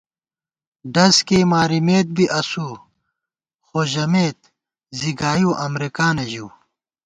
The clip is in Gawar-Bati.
ڈز کېئی مارِمېت بی اسُو خو ژمېت زی گائیؤ امرېکانہ ژِؤ